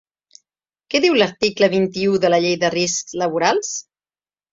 Què diu l’article vint-i-u de la llei de riscs laborals?